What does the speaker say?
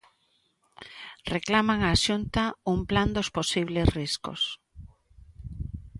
Reclaman á Xunta un plan dos posibles riscos.